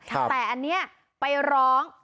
แต่อันนี้ไปร้อง